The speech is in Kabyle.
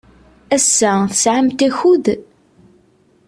Ass-a, tesɛamt akud?